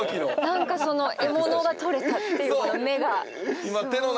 なんかその獲物がとれたっていう目が。